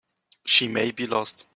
She may be lost.